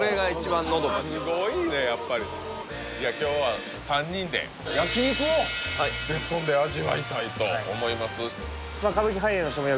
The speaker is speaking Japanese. すごいねやっぱりいや焼肉をベスコンで味わいたいと思います